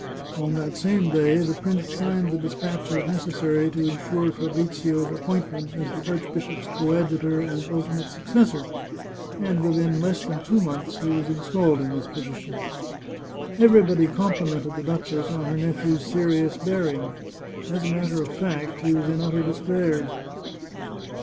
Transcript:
On that same day the prince signed the despatches necessary to insure Fabrizio's appointment 482 The Chartreuse of Parma as the archbishop's coadjutor and ultimate successor, and within less than two months, he was installed in this position. Everybody complimented the duchess on her nephew's serious bearing. As a matter of fact, he was in utter despair.